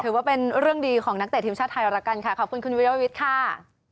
ถือว่าเป็นเรื่องดีของนักเตะทีมชาติไทยแล้วกันค่ะขอบคุณคุณวิรวิทย์ค่ะ